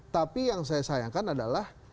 tapi yang saya sayangkan adalah